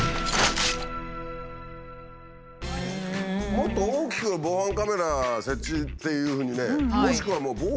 もっと大きく「防犯カメラ設置」っていうふうにね。